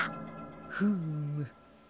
フーム。